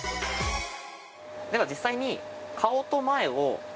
では実際に。